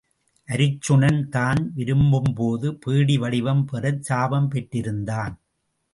அருச்சுனன் தான் விரும்பும்போது பேடி வடிவம் பெறச் சாபம் பெற்றிருந்தான்.